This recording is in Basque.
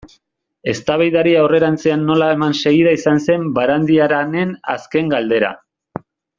Eztabaidari aurrerantzean nola eman segida izan zen Barandiaranen azken galdera.